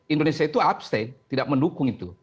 indonesia itu abstate tidak mendukung itu